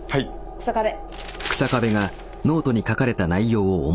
日下部。